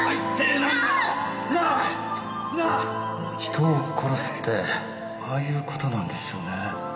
人を殺すってああいう事なんですよね。